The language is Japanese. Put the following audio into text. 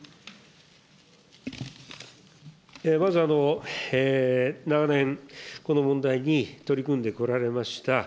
まず、長年、この問題に取り組んでこられました